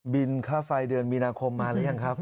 ค่าไฟเดือนมีนาคมมาหรือยังครับ